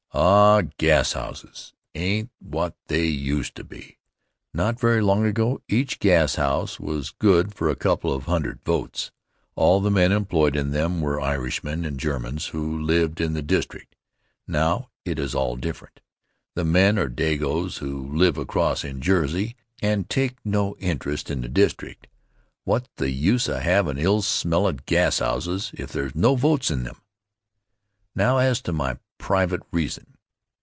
Ah, gashouses ain't what they used to be! Not very long ago, each gashouse was good for a couple of hundred votes. All the men employed in them were Irishmen and Germans who lived in the district. Now, it is all different. The men are dagoes who live across in Jersey and take no interest in the district. What's the use of havin' ill smellin' gashouses if there's no votes in them? Now, as to my private reason.